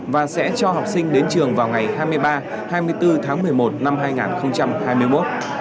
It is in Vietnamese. và sẽ cho học sinh đến trường vào ngày hai mươi ba hai mươi bốn tháng một mươi một năm hai nghìn hai mươi một